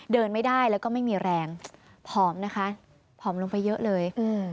เดินไม่ได้แล้วก็ไม่มีแรงผอมนะคะผอมลงไปเยอะเลยอืม